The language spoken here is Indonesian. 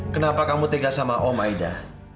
kenapa kamu tega sama om aida